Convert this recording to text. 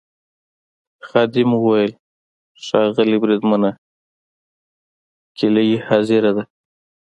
خادم وویل: ښاغلی بریدمنه کیلۍ حاضره ده.